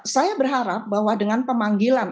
saya berharap bahwa dengan pemanggilan